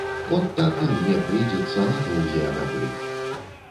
От так і мне прыйдзецца на доўгія гады.